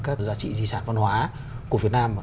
các cái giá trị di sản văn hóa của việt nam